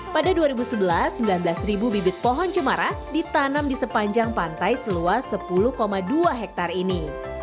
pada dua ribu sebelas sembilan belas bibit pohon cemara ditanam di sepanjang pantai seluas sepuluh dua hektare ini